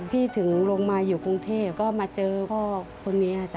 ถึงลงมาอยู่กรุงเทพก็มาเจอพ่อคนนี้